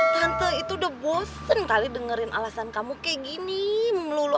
tante itu udah bosen kali dengerin alasan kamu kayak gini melulu